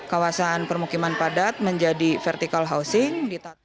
kawasan permukiman padat menjadi vertical housing